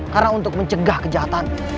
karena untuk mencegah kejahatan